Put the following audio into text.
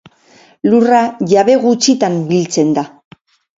Lurra jabe gutxitan biltzen da.